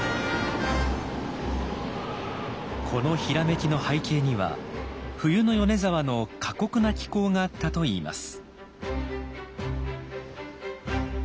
このひらめきの背景には冬の米沢の過酷な気候があったといいます。